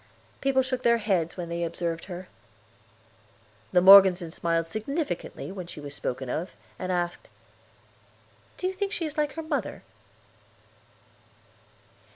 People shook their heads when they observed her. The Morgesons smiled significantly when she was spoken of, and asked: "Do you think she is like her mother?"